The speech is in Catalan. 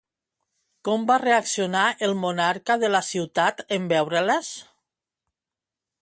Com va reaccionar el monarca de la ciutat en veure-les?